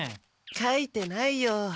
書いてないよ。